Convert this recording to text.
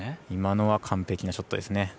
今のは完璧なショットですね。